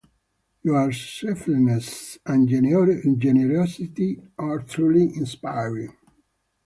Your selflessness and generosity are truly inspiring.